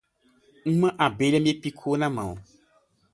Uma abelha me picou na mão.